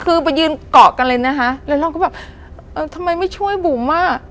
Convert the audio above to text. คือไปยืนเกาะกันเลยนะคะแล้วเราก็แบบเออทำไมไม่ช่วยบุ๋มอ่ะ